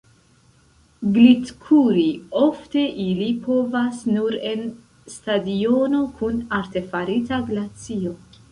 Glitkuri ofte ili povas nur en stadiono kun artefarita glacio.